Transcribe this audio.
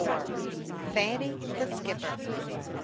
FANNY THE SKIPPER.